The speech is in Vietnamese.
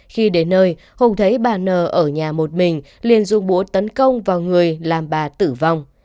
khi đến nơi hùng thấy bà nờ ở nhà một mình liền dùng búa tấn công vào người làm bà tử vong